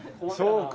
そうか。